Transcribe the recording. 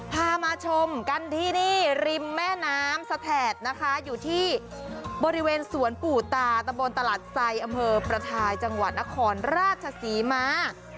พามาชมกันที่นี่ริมแม่น้ำสแถดนะคะอยู่ที่บริเวณสวนปู่ตาตะบนตลาดไซอำเภอประทายจังหวัดนครราชศรีมา